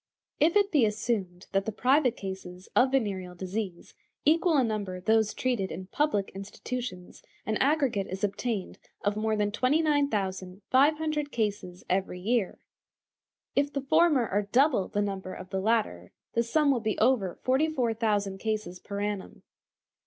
If it be assumed that the private cases of venereal disease equal in number those treated in public institutions, an aggregate is obtained of more than 29,500 cases every year. If the former are double the number of the latter, the sum will be over 44,000 cases per annum.